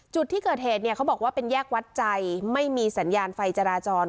จุดที่เกิดเหตุเนี่ยเขาบอกว่าเป็นแยกวัดใจไม่มีสัญญาณไฟจราจร